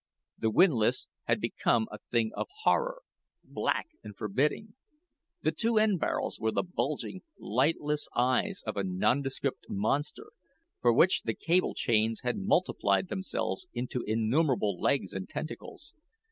The windlass had become a thing of horror, black and forbidding. The two end barrels were the bulging, lightless eyes of a non descript monster, for which the cable chains had multiplied themselves into innumerable legs and tentacles.